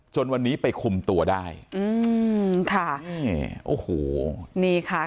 จนวันนี้ไปคุมตัวได้อืมค่ะนี่โอ้โหนี่ค่ะ